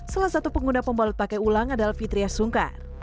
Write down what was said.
salah satu pengguna pembalut pakai ulang adalah fitriah sungkar